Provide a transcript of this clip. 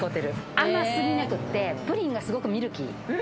甘すぎなくて、プリンがすごいミルキー。